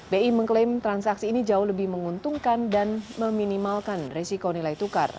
bi mengklaim transaksi ini jauh lebih menguntungkan dan meminimalkan resiko nilai tukar